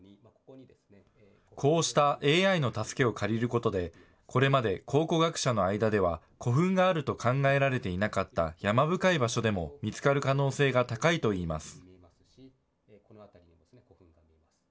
こうしたＡＩの助けを借りることで、これまで考古学者の間では、古墳があると考えられていなかった山深い場所でも見つかる可能性が高いといいます。